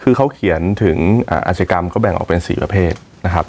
คือเขาเขียนถึงอาชีกรรมเขาแบ่งออกเป็น๔ประเภทนะครับ